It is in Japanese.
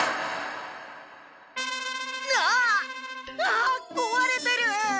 あ壊れてる！